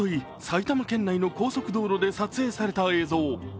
埼玉県内の高速道路で撮影された映像。